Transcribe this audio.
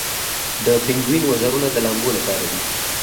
د پینګوین وزرونه د لامبو لپاره دي